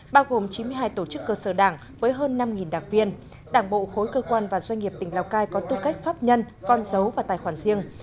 bao gồm chín mươi hai tổ chức cơ sở đảng với hơn năm đặc viên đảng bộ khối cơ quan và doanh nghiệp tỉnh lào cai có tư cách pháp nhân con dấu và tài khoản riêng